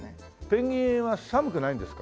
ペンギンは寒くないんですか？